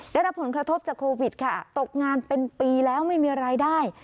ได้รับผลกระทบจากโควิดค่ะตกงานเป็นปีแล้วไม่มีรายได้